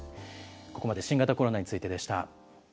ここまで新型コロナについてでした。